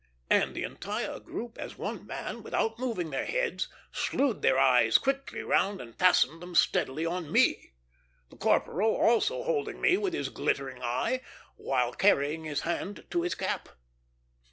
and the entire group, as one man, without moving their heads, slewed their eyes quickly round and fastened them steadily on me; the corporal also holding me with his glittering eye, while carrying his hand to his cap.